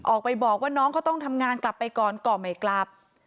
ออกไปบอกว่าน้องเขาต้องทำงานกลับไปก่อนก็ไม่กลับ